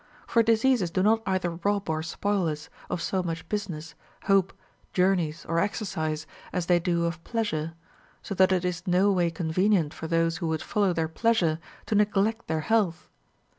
For diseases do not either rob or spoil us of so much business, hope, journeys, or exercise, as they do of pleasure ; so that it is no way convenient for those who would follow their pleasure to neglect their health.